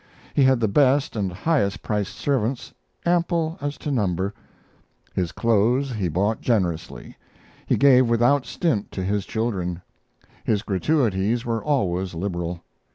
He had the best and highest priced servants, ample as to number. His clothes he bought generously; he gave without stint to his children; his gratuities were always liberal.